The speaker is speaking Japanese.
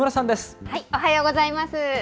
おはようございます。